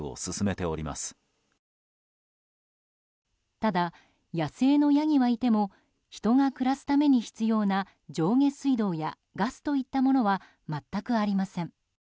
ただ、野生のヤギはいても人が暮らすために必要な上下水道やガスといったものは全くありません。